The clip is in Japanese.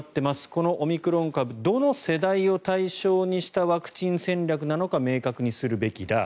このオミクロン株、どの世代を対象にしたワクチン戦略なのか明確にするべきだ。